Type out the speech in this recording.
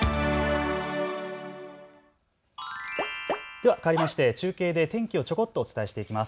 ではかわりまして中継で天気をちょこっとお伝えしていきます。